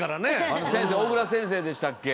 あの先生小倉先生でしたっけ。